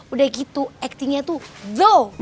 udah gitu actingnya tuh zo